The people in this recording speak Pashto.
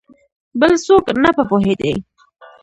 بل څوک نه په پوهېدی !